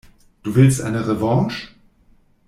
Du willst eine Revanche?